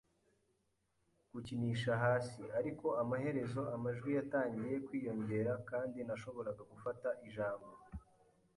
gukinisha hasi; ariko amaherezo amajwi yatangiye kwiyongera, kandi nashoboraga gufata ijambo